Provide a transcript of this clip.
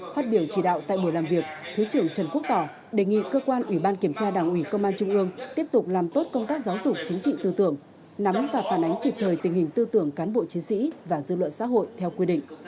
phát biểu chỉ đạo tại buổi làm việc thứ trưởng trần quốc tỏ đề nghị cơ quan ủy ban kiểm tra đảng ủy công an trung ương tiếp tục làm tốt công tác giáo dục chính trị tư tưởng nắm và phản ánh kịp thời tình hình tư tưởng cán bộ chiến sĩ và dư luận xã hội theo quy định